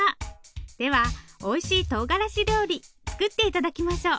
ではおいしいとうがらし料理作って頂きましょう。